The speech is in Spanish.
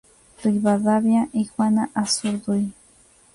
Rivadavia y Juana Azurduy